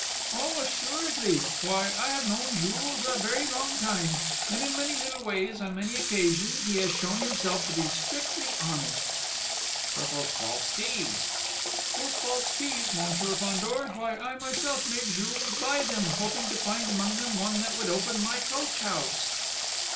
"Oh, assuredly! Why, I have known Jules a very long time! And in many little ways on many occasions, he has shown himself to be strictly honest." "But those false keys?" "Those false keys, Monsieur Fandor, why I myself made Jules buy them, hoping to find among them one that would open my coach house."